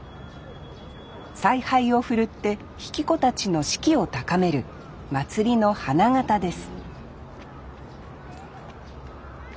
采配を振るって曳き子たちの志気を高める祭りの花形です